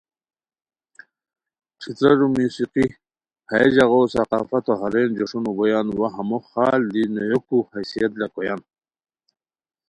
ݯھترارو موسیقی ہیہ ژاغو ثقافتو ہارین جوݰونو بویان وا ہمو خال دی نویوکو حیثیت لاکھویان